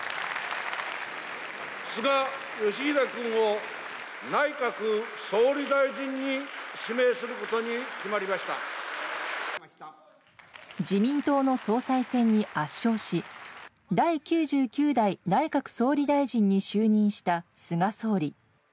菅義偉君を内閣総理大臣に指自民党の総裁選に圧勝し、第９９代内閣総理大臣に就任した菅総理。